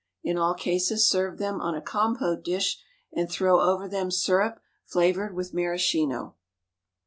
In all cases serve them on a compote dish, and throw over them syrup flavored with maraschino.